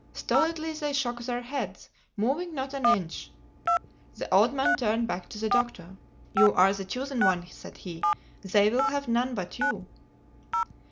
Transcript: Stolidly they shook their heads, moving not an inch. The old man turned back to the Doctor. "You are the chosen one," said he. "They will have none but you."